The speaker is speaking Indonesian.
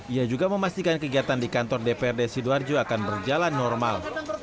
ia juga memastikan kegiatan di kantor dprd sidoarjo akan berjalan normal